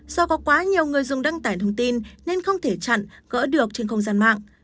do có quá nhiều người dùng đăng tải thông tin nên không thể chặn gỡ được trên không gian mạng